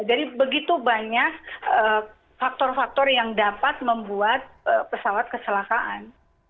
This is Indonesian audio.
jadi begitu banyak faktor faktor yang dapat membuat pesawat keselakaan